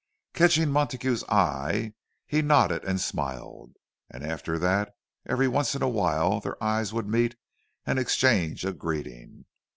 Catching Montague's eye, he nodded and smiled; and after that, every once in a while their eyes would meet and exchange a greeting.